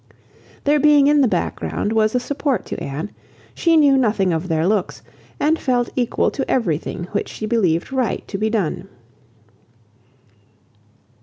Their being in the back ground was a support to Anne; she knew nothing of their looks, and felt equal to everything which she believed right to be done.